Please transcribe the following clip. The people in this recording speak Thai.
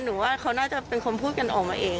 หนูว่าเขาน่าจะเป็นคนพูดกันออกมาเอง